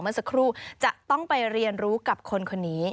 เมื่อสักครู่จะต้องไปเรียนรู้กับคนคนนี้